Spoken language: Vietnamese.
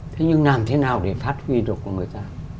thế nhưng làm thế nào để phát huy được của người ta